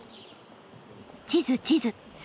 地図地図。